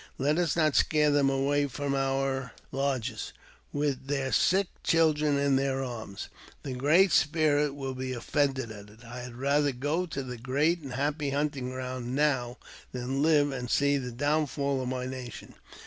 Let us not scare them away from our lodges, with their sick children in their arms. The Great Spirit will be offended at it. I had rather go to the great and happy hunt ing ground now than live and see the downfall of my nation.